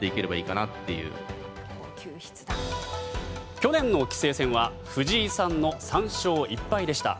去年の棋聖戦は藤井さんの３勝１敗でした。